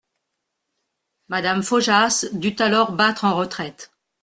Madame Faujas dut alors battre en retraite.